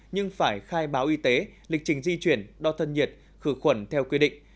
nhưng phải khai báo y tế lịch trình di chuyển đo thân nhiệt khử khuẩn theo quy định